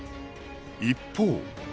一方